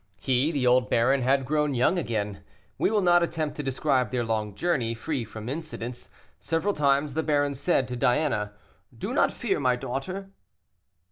He, the old baron, had grown young again. We will not attempt to describe their long journey, free from incidents. Several times the baron said to Diana, "Do not fear, my daughter."